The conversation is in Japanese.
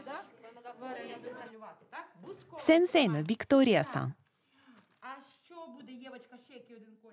先生のヴィクトリアさん。